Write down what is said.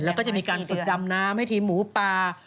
แล้วก็จะมีการฝึกดำน้ำให้ทีมหมูป่า